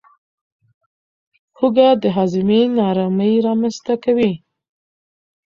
هوږه د هاضمې نارامي رامنځته کوي.